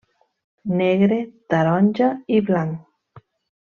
Negre, taronja i blanc.